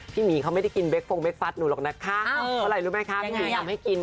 พี่หมี่เขาไม่ได้กินเฟรกโฟ้งเฟรกฟัสหนูหรอกเงี้ย